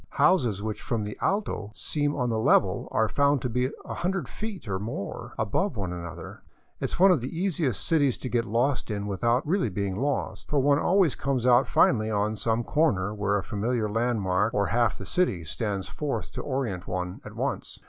Houses which from the " Alto " seem on the level are found to be a hundred feet or more one above the other. It is one of the easiest cities to get lost in without being really lost; for one always comes out finally on some corner where a familiar landmark or half the city stands forth to 502 THE COLLASUYU, OR " UPPER '' PERU orientate one at once.